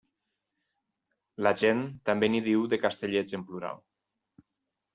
La gent també n'hi diu de Castellets, en plural.